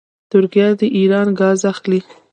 ترکیه د ایران ګاز اخلي.